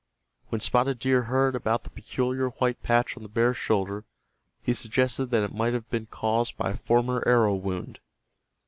When Spotted Deer heard about the peculiar white patch on the bear's shoulder he suggested that it might have been caused by a former arrow wound.